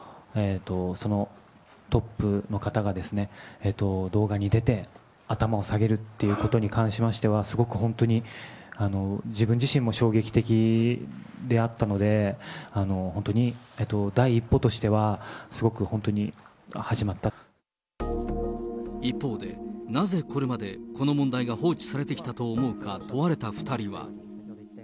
そのトップの方が動画に出て、頭を下げるっていうことに関しましては、すごく本当に自分自身も衝撃的であったので、本当に第一歩としては、一方で、なぜこれまでこの問題が放置されてきたと思うか問われた２人は。